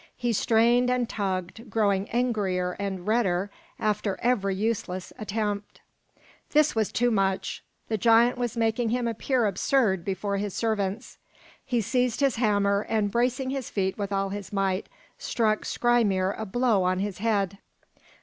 He strained and tugged, growing angrier and redder after every useless attempt. This was too much; the giant was making him appear absurd before his servants. He seized his hammer, and bracing his feet with all his might, struck Skrymir a blow on his head.